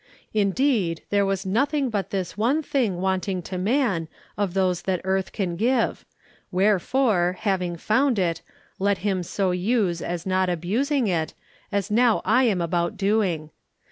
Indeed, there was nothing but this one thing wanting to man, of those that earth can give; wherefore, having found it, let him so use as not abusing it, as now I am about doing.